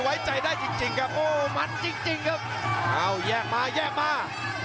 ไว้ใจได้จริงจริงครับโอ้มันจริงจริงครับอ้าวแยกมาแยกมา